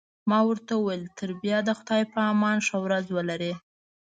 ما ورته وویل: تر بیا د خدای په امان، ښه ورځ ولرئ.